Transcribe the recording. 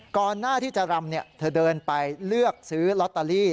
ก่อนหน้าที่จะรำเธอเดินไปเลือกซื้อลอตเตอรี่